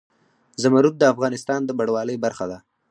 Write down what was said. زمرد د افغانستان د بڼوالۍ برخه ده.